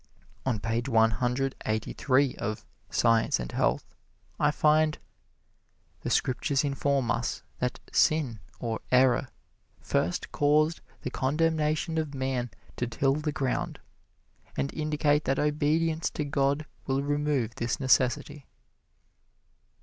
On page one hundred eighty three of "Science and Health" I find, "The Scriptures inform us that sin, or error, first caused the condemnation of man to till the ground, and indicate that obedience to God will remove this necessity."